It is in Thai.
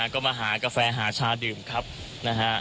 ก็มาหากาแฟหาชาดื่มครับนะฮะ